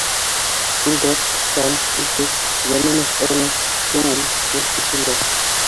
Күлдәк-ыштан, итек, йәнә мәсьәлә, күңел, тел сиселә.